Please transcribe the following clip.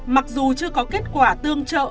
mặc dù chưa có kết quả tương trợ